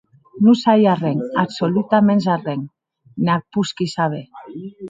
Non sai arren, absoludaments arren, ne ac posqui saber.